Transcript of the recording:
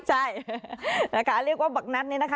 ใช่นะคะเรียกว่าบักนัดนี้นะคะ